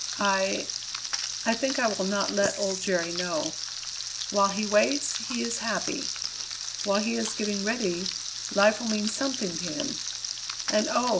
I I think I will not let old Jerry know. While he waits, he is happy. While he is getting ready, life will mean something to him. And oh!